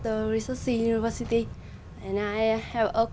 để được hiểu về người dân hnu và mà rốc